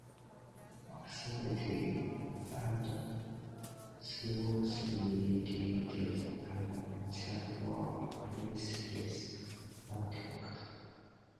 Absolutely and thoroughly deleted, and therefore a priceless artifact.